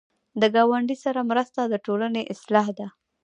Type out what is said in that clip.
د ګاونډي سره مرسته د ټولنې اصلاح ده